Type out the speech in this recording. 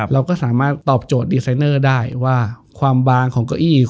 เราก็สามารถตอบโจทย์ดีไซเนอร์ได้ว่าความบางของเก้าอี้